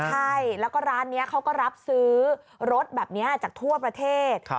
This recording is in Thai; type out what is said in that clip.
ใช่แล้วก็ร้านนี้เขาก็รับซื้อรถแบบนี้จากทั่วประเทศ